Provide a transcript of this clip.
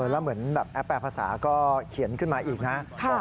แล้วเหมือนแบบแอปแปลภาษาก็เขียนขึ้นมาอีกนะ